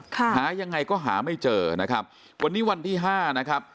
หายังไงก็หาไม่เจอนะครับวันนี้วันที่ห้านะครับ